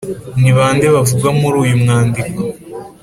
ni bande bavugwa muri uyu mwandiko?